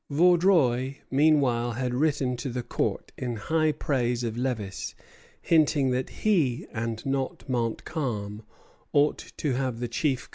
Vaudreuil meanwhile had written to the Court in high praise of Lévis, hinting that he, and not Montcalm, ought to have the chief command.